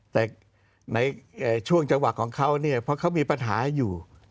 แต่ในช่วงจังหวะของเขาเนี่ยเพราะเขามีปัญหาอยู่